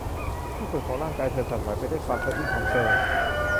ทุกส่วนของร่างกายเธอสั่นไหวไปด้วยความสะอื้นของเธอ